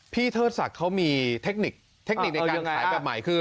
พี่เทิดศักดิ์เขามีเทคนิคในการขายแบบใหม่คือ